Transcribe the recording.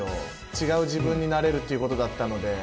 違う自分になれるっていうことだったので。